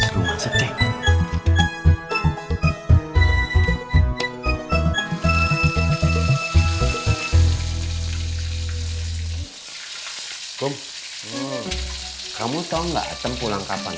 kamu tahu enggak tempu langkapan